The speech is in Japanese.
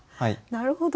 なるほど。